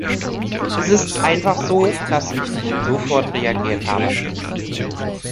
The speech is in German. Es ist einfach so, dass ich nicht sofort reagiert habe.